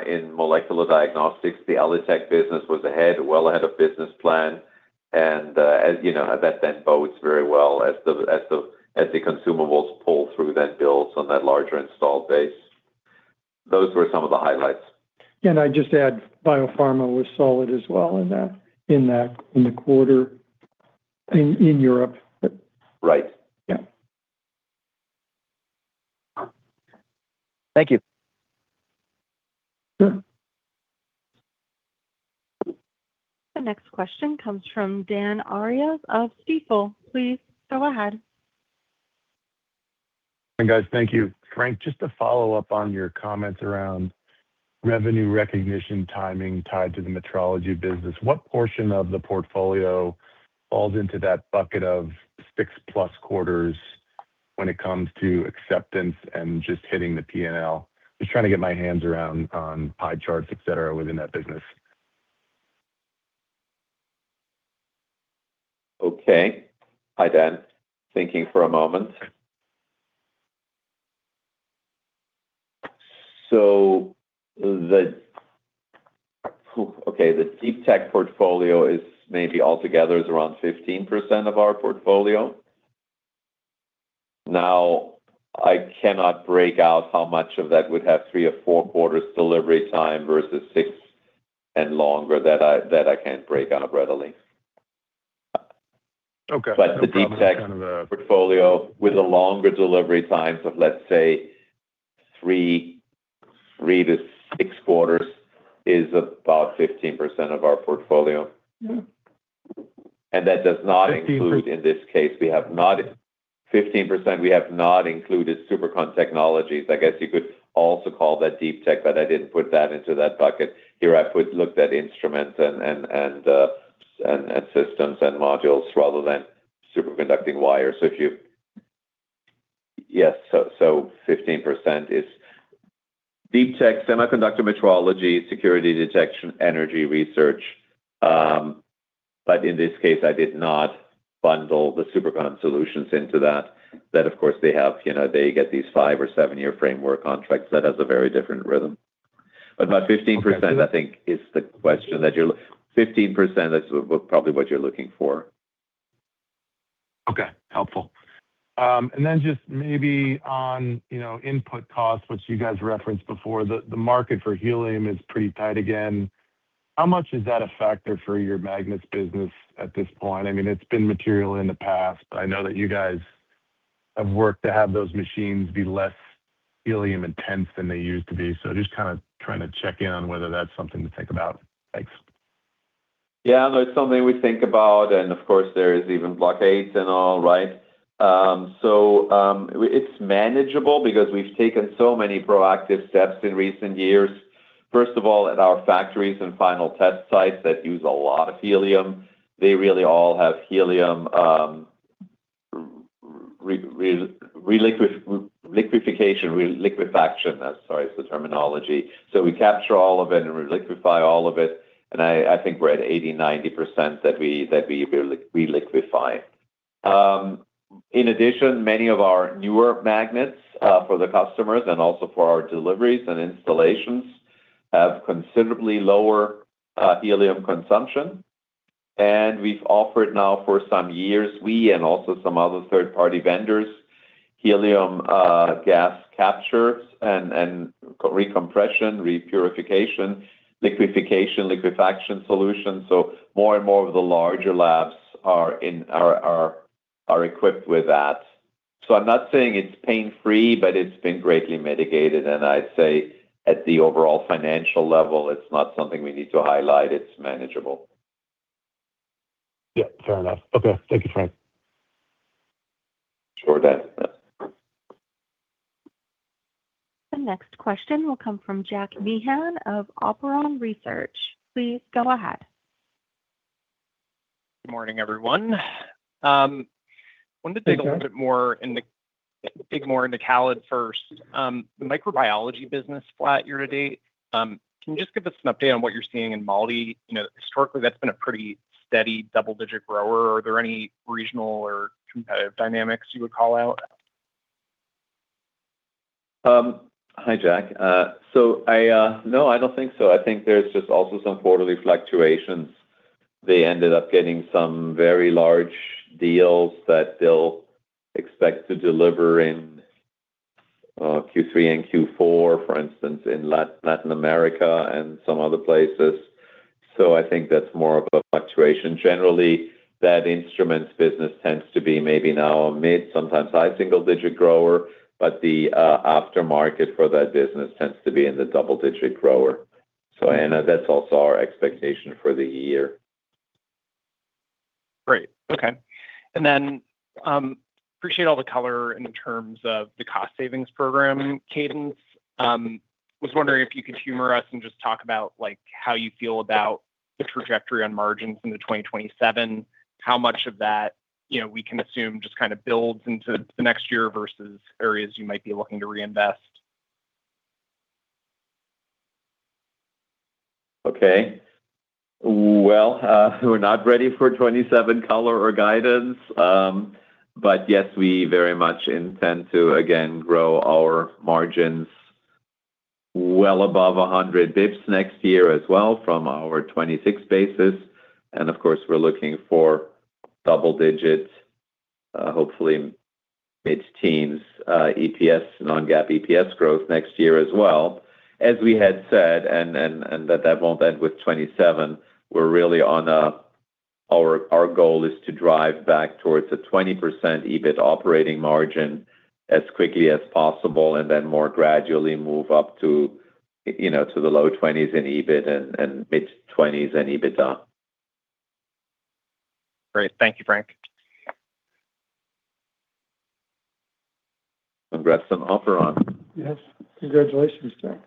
in molecular diagnostics, the ELITechGroup business was ahead, well ahead of business plan, and that bodes very well as the consumables pull through, then builds on that larger installed base. Those were some of the highlights. Can I just add, biopharma was solid as well in the quarter in Europe. Right. Yeah. Thank you. Sure. The next question comes from Dan Arias of Stifel. Please go ahead. Hi, guys. Thank you. Frank, just to follow up on your comments around revenue recognition timing tied to the metrology business, what portion of the portfolio falls into that bucket of six-plus quarters when it comes to acceptance and just hitting the P&L? Just trying to get my hands around on pie charts, et cetera, within that business. Okay. Hi, Dan. Thinking for a moment. The deep tech portfolio is maybe altogether is around 15% of our portfolio. Now, I cannot break out how much of that would have three or four quarters delivery time versus six and longer. That I can't break out readily. Okay. No problem. The deep tech portfolio with the longer delivery times of, let's say, three to six quarters, is about 15% of our portfolio. That does not include, in this case, 15%, we have not included Supercon Technologies. I guess you could also call that deep tech, but I didn't put that into that bucket. Here, I looked at instruments and systems and modules rather than superconducting wires. If you, yes, 15% is deep tech, semiconductor metrology, security detection, energy research. In this case, I did not bundle the Supercon solutions into that. Of course, they get these five to seven year framework contracts. That has a very different rhythm. About 15%, I think is the question that 15%, that's probably what you're looking for. Okay. Helpful. Then just maybe on input costs, which you guys referenced before. The market for helium is pretty tight again. How much is that a factor for your magnets business at this point? It's been material in the past, but I know that you guys have worked to have those machines be less helium intense than they used to be. Just trying to check in on whether that's something to think about. Thanks. Yeah, no, it's something we think about, of course, there is even blockades and all, right? It's manageable because we've taken so many proactive steps in recent years. First of all, at our factories and final test sites that use a lot of helium, they really all have helium liquefaction. Sorry, it's the terminology. We capture all of it and we liquefy all of it, and I think we're at 80%, 90% that we liquefy. In addition, many of our newer magnets for the customers and also for our deliveries and installations have considerably lower helium consumption We've offered now for some years, we and also some other third-party vendors, helium gas capture and recompression, repurification, liquefaction solutions. More and more of the larger labs are equipped with that. I'm not saying it's pain-free, but it's been greatly mitigated. I'd say at the overall financial level, it's not something we need to highlight. It's manageable. Yeah, fair enough. Okay, thank you, Frank. Sure thing. The next question will come from Jack Meehan of Operon Research. Please go ahead. Good morning, everyone. Hi, Jack. Wanted to dig a little bit more into COVID first. The microbiology business flat year-to-date. Can you just give us an update on what you're seeing in MALDI? Historically, that's been a pretty steady double-digit grower. Are there any regional or competitive dynamics you would call out? Hi, Jack. No, I don't think so. I think there's just also some quarterly fluctuations. They ended up getting some very large deals that they'll expect to deliver in Q3 and Q4, for instance, in Latin America and some other places. I think that's more of a fluctuation. Generally, that instruments business tends to be maybe now a mid, sometimes high single-digit grower, but the aftermarket for that business tends to be in the double-digit grower. I know that's also our expectation for the year. Great. Okay. Appreciate all the color in terms of the cost savings program cadence. Was wondering if you could humor us and just talk about how you feel about the trajectory on margins into 2027, how much of that we can assume just kind of builds into the next year versus areas you might be looking to reinvest. Okay. Well, we're not ready for 2027 color or guidance. Yes, we very much intend to, again, grow our margins well above 100 basis points next year as well from our 2026 basis. Of course, we're looking for double digits, hopefully mid-teens EPS, non-GAAP EPS growth next year as well. As we had said, that won't end with 2027. Our goal is to drive back towards a 20% EBIT operating margin as quickly as possible more gradually move up to the low twenties in EBIT and mid-twenties in EBITDA. Great. Thank you, Frank. Congrats on Operon. Yes. Congratulations, Jack.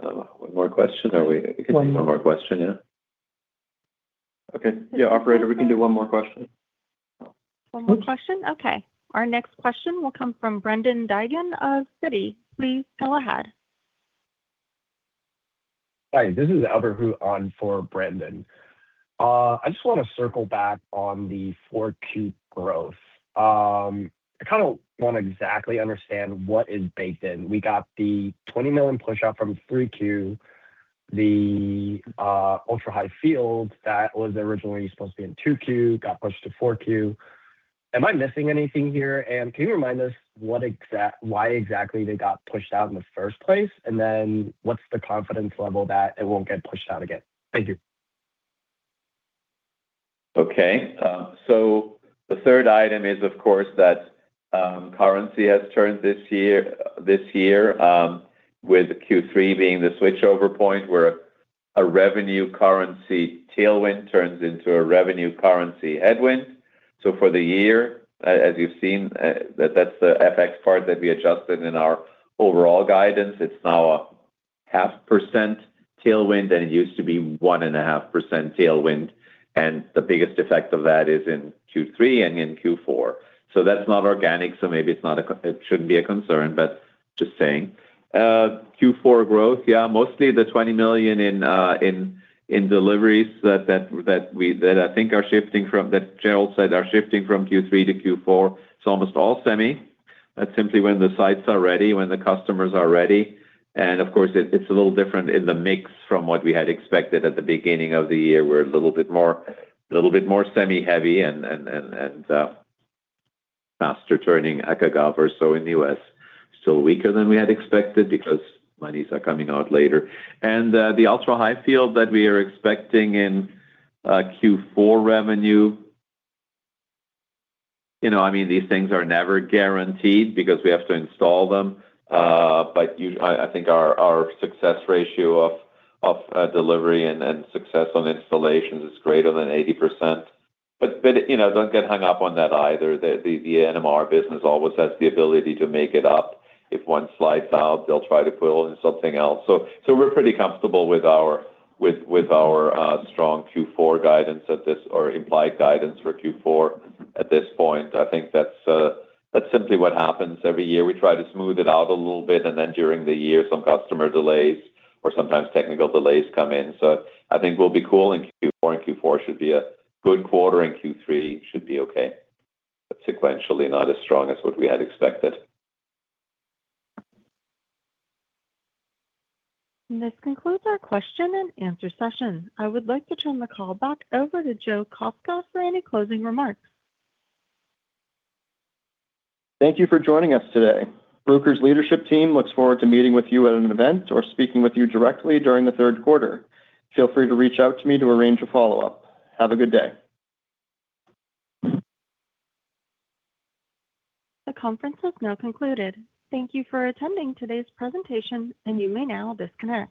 Yeah. One more question. One more. One more question, yeah? Okay. Yeah. Operator, we can do one more question. One more question? Okay. Our next question will come from Brendan Digan of Citi. Please go ahead. Hi, this is Abhirup on for Brendan. I just want to circle back on the 4Q growth. I kind of want to exactly understand what is baked in. We got the $20 million push out from 3Q, the ultra-high field that was originally supposed to be in 2Q got pushed to 4Q. Am I missing anything here? Can you remind us why exactly they got pushed out in the first place? What's the confidence level that it won't get pushed out again? Thank you. Okay. The third item is, of course, that currency has turned this year with Q3 being the switchover point where a revenue currency tailwind turns into a revenue currency headwind. For the year, as you've seen, that's the FX part that we adjusted in our overall guidance. It's now a 0.5% tailwind, it used to be 1.5% tailwind, the biggest effect of that is in Q3 and in Q4. That's not organic, maybe it shouldn't be a concern, just saying. Q4 growth, yeah, mostly the $20 million in deliveries that I think are shifting from, that Gerald said are shifting from Q3 to Q4. It's almost all semi. That's simply when the sites are ready, when the customers are ready. Of course, it's a little different in the mix from what we had expected at the beginning of the year. We're a little bit more semi-heavy and faster-turning agile instruments. In the U.S., still weaker than we had expected because monies are coming out later. The ultra-high field that we are expecting in Q4 revenue, these things are never guaranteed because we have to install them. But I think our success ratio of delivery and success on installations is greater than 80%. Don't get hung up on that either. The NMR business always has the ability to make it up. If one slides out, they'll try to pull in something else. We're pretty comfortable with our strong Q4 guidance at this, or implied guidance for Q4 at this point. I think that's simply what happens every year. We try to smooth it out a little bit, during the year, some customer delays or sometimes technical delays come in. I think we'll be cool in Q4 should be a good quarter, Q3 should be okay. Sequentially, not as strong as what we had expected. This concludes our question and answer session. I would like to turn the call back over to Joe Kostka for any closing remarks. Thank you for joining us today. Bruker's leadership team looks forward to meeting with you at an event or speaking with you directly during the third quarter. Feel free to reach out to me to arrange a follow-up. Have a good day. The conference has now concluded. Thank you for attending today's presentation. You may now disconnect.